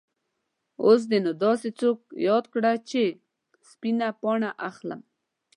اوس دې نو داسې څوک یاد کړ چې سپینه پاڼه اخلم.